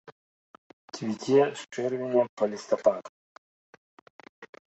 Цвіце з чэрвеня па лістапад.